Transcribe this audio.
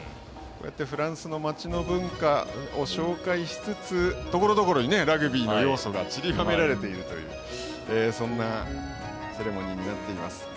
フランスの街の文化を紹介しつつところどころにラグビーの要素がちりばめられているというそんなセレモニーになっています。